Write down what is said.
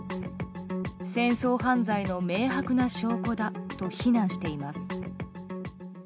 戦争犯罪の明白な証拠だと非難しています。